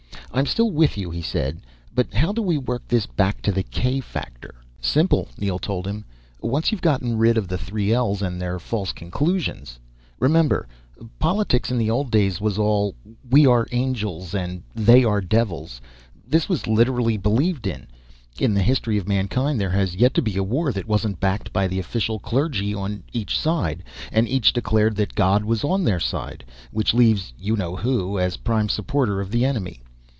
"I'm still with you," he said. "But how do we work this back to the k factor?" "Simple," Neel told him. "Once you've gotten rid of the 3L's and their false conclusions. Remember that politics in the old days was all We are angels and They are devils. This was literally believed. In the history of mankind there has yet to be a war that wasn't backed by the official clergy on each side. And each declared that God was on their side. Which leaves You Know Who as prime supporter of the enemy.